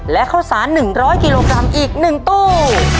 และข้าวสาร๑๐๐กิโลกรัมอีก๑ตู้